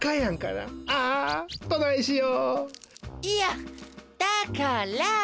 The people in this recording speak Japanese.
いやだから。